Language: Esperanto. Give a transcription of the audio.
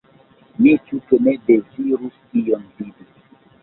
Mi tute ne dezirus ion vidi!